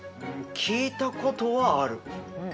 うん聞いたことはある。